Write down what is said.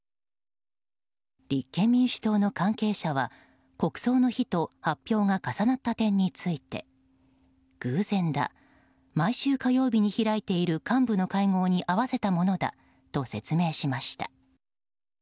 立憲民主党の関係者は国葬の日と発表が重なった点について偶然だ、毎週火曜日に開いている幹部の会合に合わせたものだと説明しました。